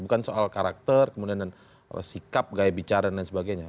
bukan soal karakter kemudian dan sikap gaya bicara dan lain sebagainya